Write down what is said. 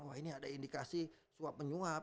wah ini ada indikasi suap menyuap